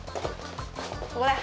ここだ。